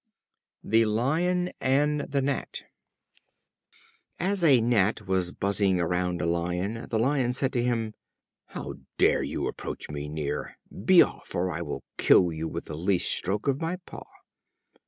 The Lion and the Gnat. As a Gnat was buzzing around a Lion, the Lion said to him: "How dare you approach so near? Be off, or I will kill you with the least stroke of my paw."